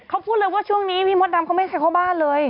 เขาพูดเลยว่าช่วงนี้พี่มดดำเขาไม่ใส่เข้าบ้านเลย